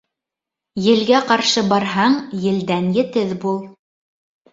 Елгә ҡаршы барһаң, елдән етеҙ бул.